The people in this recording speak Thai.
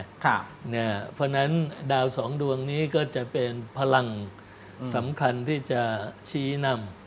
เพราะฉะนั้นดาวสองดวงนี้ก็จะเป็นพลังสำคัญที่จะชี้นำ